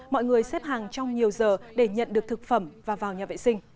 mọi người xếp hàng trong nhiều giờ để nhận được thực phẩm và vào nhà vệ sinh